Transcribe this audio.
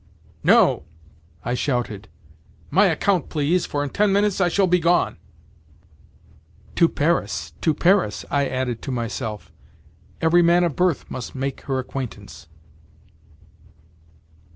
"No!" I shouted. "My account, please, for in ten minutes I shall be gone." "To Paris, to Paris!" I added to myself. "Every man of birth must make her acquaintance."